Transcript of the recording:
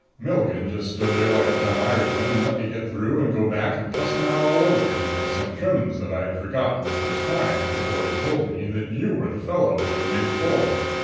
Milligan just stood there like a dumb Irishman and let me get through and go back and cuss him out all over again, with some trimmings that I had forgotten the first time, before he told me that you were the fellow who had made the bull.